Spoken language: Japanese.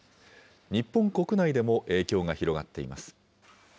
日本国内でも影響が広がっています。